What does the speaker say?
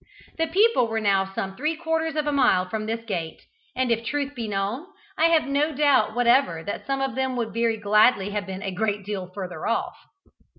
The people were now some three quarters of a mile from this gate, and, if the truth could be known, I have no doubt whatever that some of them would very gladly have been a great deal further off.